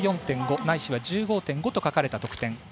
１４．５、ないしは１５．５と書かれた得点。